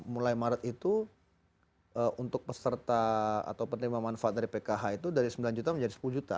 mulai maret itu untuk peserta atau penerima manfaat dari pkh itu dari sembilan juta menjadi sepuluh juta